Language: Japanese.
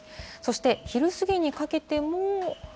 そして昼過ぎにかけても。